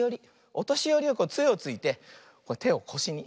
おとしよりはつえをついててをこしに。